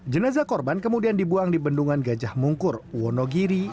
jenazah korban kemudian dibuang di bendungan gajah mungkur wonogiri